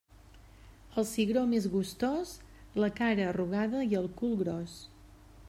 El cigró més gustós: la cara arrugada i el cul gros.